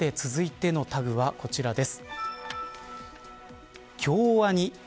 さて続いてのタグはこちらです。